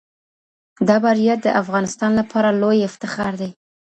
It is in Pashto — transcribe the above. دا بریا د افغانستان لپاره لوی افتخار دی.